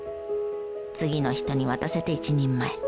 次の人に渡せて一人前。